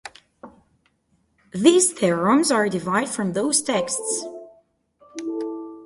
These theroms are derived from those texts.